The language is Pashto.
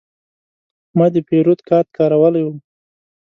ما د پیرود کارت کارولی و.